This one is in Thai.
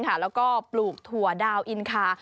แล้วก็ปลูกถั่วดาวอินคา